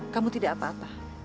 kamu tidak apa apa